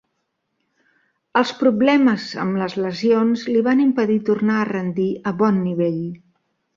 Els problemes amb les lesions li van impedir tornar a rendir a bon nivell.